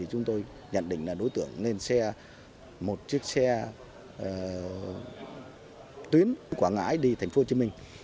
chúng tôi nhận định là đối tượng lên xe một chiếc xe tuyến quảng ngãi đi thành phố hồ chí minh